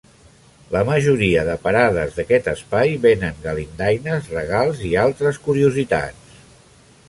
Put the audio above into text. La majoria de parades d'aquest espai venen galindaines, regals i altres curiositats.